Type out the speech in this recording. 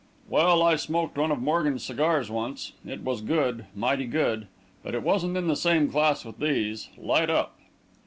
"Well, I smoked one of Morgan's cigars once it was good, mighty good; but it wasn't in the same class with these. Light up."